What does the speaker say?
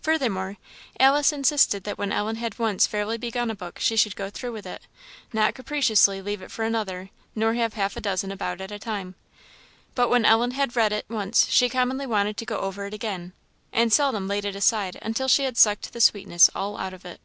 Furthermore, Alice insisted that when Ellen had once fairly begun a book she should go through with it not capriciously leave it for another, nor have half a dozen about at a time. But when Ellen had read it once she commonly wanted to go over it again, and seldom laid it aside until she had sucked the sweetness all out of it.